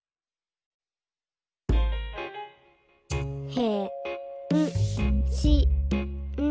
「へんしん」